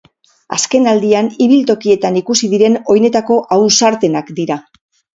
Azkenaldian ibiltokietan ikusi diren oinetako ausartenak dira.